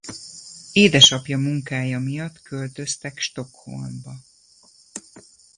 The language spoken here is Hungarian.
Édesapja munkája miatt költöztek Stockholmba.